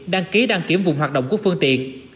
đăng ký đăng kiểm vùng hoạt động của phương tiện